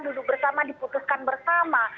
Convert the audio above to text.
duduk bersama diputuskan bersama